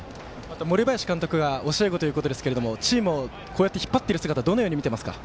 森林監督が教え子ということですがチームを引っ張っている姿をどのように見ていますか。